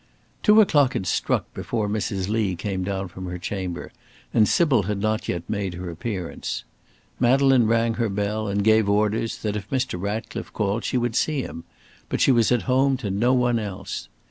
Two o'clock had struck before Mrs. Lee came down from her chamber, and Sybil had not yet made her appearance. Madeleine rang her bell and gave orders that, if Mr. Ratcliffe called she would see him, but she was at home to no one else.